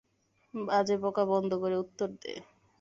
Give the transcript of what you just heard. বাজে বকা বন্ধ করে উত্তর দে।